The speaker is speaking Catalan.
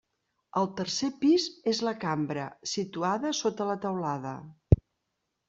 El tercer pis és la cambra, situada sota la teulada.